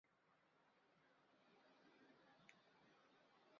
为三立艺能旗下艺人。